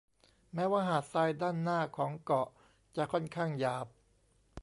แม้ว่าหาดทรายด้านหน้าของเกาะจะค่อนข้างหยาบ